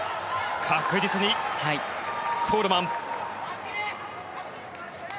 確実に、コールマン。